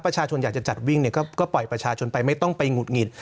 ประชาชนอยากจะจัดวิ่งเนี่ยก็ปล่อยประชาชนไปไม่ต้องไปหงุดหงิด